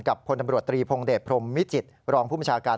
กับพนตำรวจตรีพงฎพรมมิจิตรรองผู้มชาการ